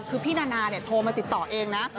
คือพี่นานาโทรมาติดต่อเองนะ